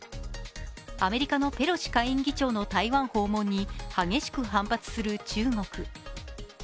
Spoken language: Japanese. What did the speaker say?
アメリカのペロシ下院議長の台湾訪問に激しく反発する中国。